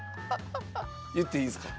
言っていいですか？